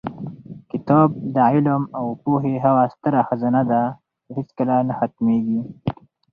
کتاب د علم او پوهې هغه ستره خزانه ده چې هېڅکله نه ختمېږي.